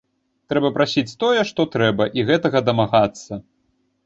Трэба прасіць тое, што трэба і гэтага дамагацца.